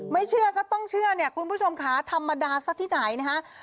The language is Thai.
เชื่อก็ต้องเชื่อเนี่ยคุณผู้ชมค่ะธรรมดาซะที่ไหนนะฮะ